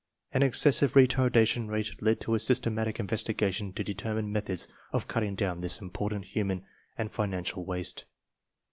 An excessive retardation rate led to a systematic investigation to determine methods of cutting down this important human and financial waste.